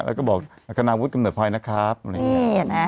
แล้วก็บอกอัคณาวุฒิกำเนิดพลอยนะครับอะไรอย่างนี้